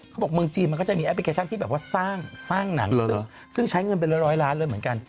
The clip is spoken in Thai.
เค้าบอกเมืองจีนมีแอพพลิเคชัจะสร้างหนังซึ่งใช้เงินเป็นร้อยร้านเลยเหมือนกัน